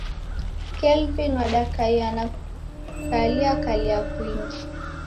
Kelvin wadakaia na kukaliakalia kwingi